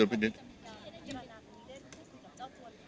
คงตั้งและคงตั้งไป